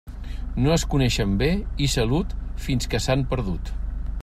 No es coneixen bé i salut fins que s'han perdut.